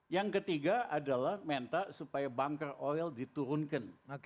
yang ketiga adalah minta supaya bunker oil diturunkan